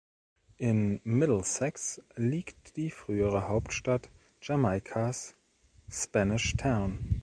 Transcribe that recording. In Middlesex liegt die frühere Hauptstadt Jamaikas, Spanish Town.